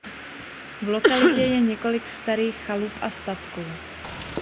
V lokalitě je několik starých chalup a statků.